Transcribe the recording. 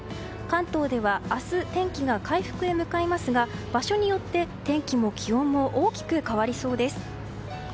関東では明日天気が回復へ向かいますが場所によって天気も気温も大きく変わりそうです。